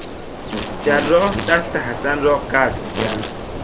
جراح دست حسن را قطع کرد.